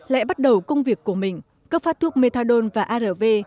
lại bắt đầu công việc của mình cấp phát thuốc methadone và arv